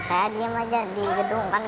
saya diam aja di gedung kan